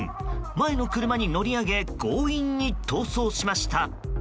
前の車に乗り上げ強引に逃走しました。